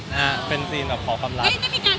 แล้วจะมีการซ้อมไหมครับ